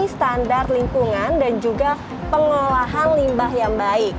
standar lingkungan dan juga pengolahan limbah yang baik